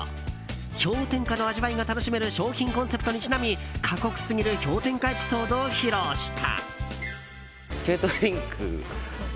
氷点下の味わいが楽しめる商品コンセプトにちなみ過酷すぎる氷点下エピソードを披露した。